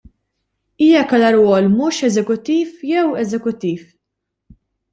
Hija kellha rwol mhux eżekuttiv jew eżekuttiv?